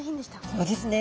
そうですね。